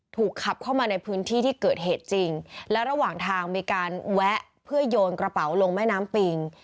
ขับเข้ามาในพื้นที่ที่เกิดเหตุจริงและระหว่างทางมีการแวะเพื่อโยนกระเป๋าลงแม่น้ำปิง